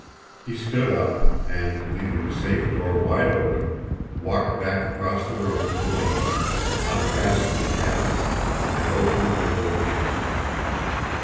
He stood up, and, leaving the safe door wide open, walked back across the room to the window, unfastened the catch, and opened the window an inch or two.